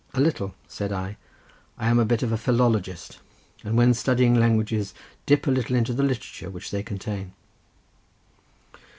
"A little," said I; "I am a bit of a philologist; and when studying languages dip a little into the literature which they contain."